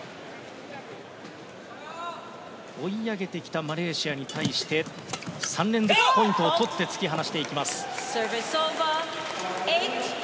追い上げてきたマレーシアに対して３連続ポイントを取って突き放していきます。